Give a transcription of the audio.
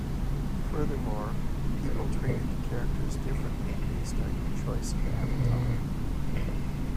Furthermore, people treated the characters differently based on your choice of avatar.